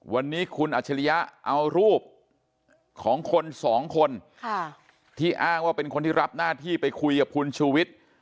วันนี้คุณอัจฉริยะเอารูปของคนสองคนที่อ้างว่าเป็นคนที่รับหน้าที่ไปคุยกับคุณชูวิทย์